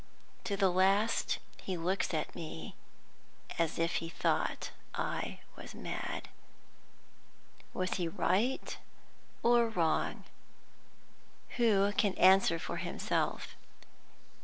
To the last he looks at me as if he thought I was mad. Was he right or wrong? Who can answer for himself?